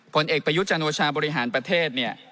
ผลเอกพยุตรจังหวัดชาวบริหารประเทศ